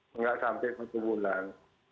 tidak sampai satu bulan